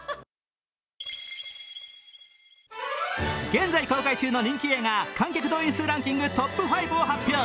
現在公開中の人気映画、観客動員数ランキングトップ５を発表。